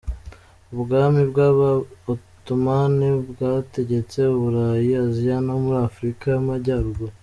Ubwami bw’aba Ottoman bwategetse u Burayi , Asia no muri Afurika y’Amajyaruguru.